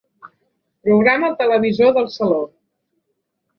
Programa el televisor del saló.